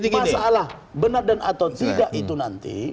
masalah benar dan atau tidak itu nanti